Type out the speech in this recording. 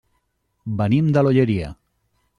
Venim de l'Olleria.